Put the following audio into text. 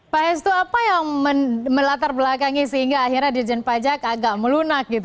pak hestu apa yang melatar belakangi sehingga akhirnya dirjen pajak agak melunak gitu